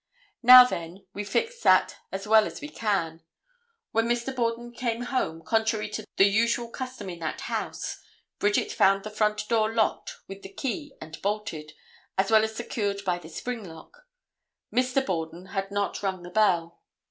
Now, then, we fix that as well as we can. When Mr. Borden came home, contrary to the usual custom in that house, Bridget found the front door locked with the key and bolted, as well as secured by the spring lock. Mr. Borden had not rung the bell.